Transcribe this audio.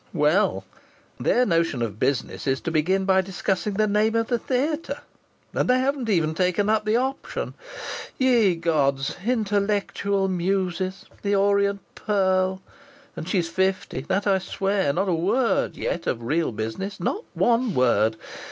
Well!... Their notion of business is to begin by discussing the name of the theatre! And they haven't even taken up the option! Ye gods! 'Intellectual'! 'Muses'! 'The Orient Pearl.' And she's fifty that I swear! Not a word yet of real business not one word!